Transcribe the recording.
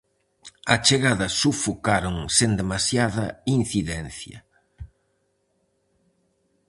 Á chegada sufocaron sen demasiada incidencia.